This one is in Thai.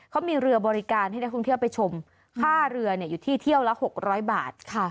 เขามีเรือบริการให้นักท่องเที่ยวไปชมค่าเรืออยู่ที่เที่ยวละ๖๐๐บาท